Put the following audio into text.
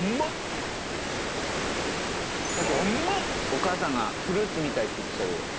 お母さんがフルーツみたいって言ってたけど。